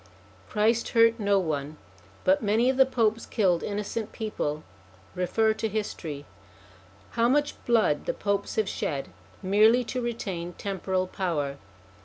Christ hurt no one, but many of the Popes killed innocent people: refer to history. How much blood the Popes have shed merely to retain temporal power